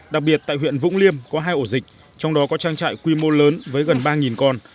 đặc biệt tại huyện vũng liêm có hai ổ dịch trong đó có trang trại quy mô lớn với gần ba con